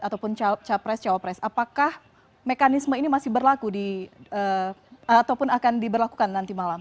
ataupun capres cawapres apakah mekanisme ini masih berlaku di ataupun akan diberlakukan nanti malam